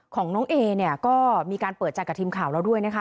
ของน้องเอก็มีการเปิดจัดกับทีมข่าวแล้วด้วยนะคะ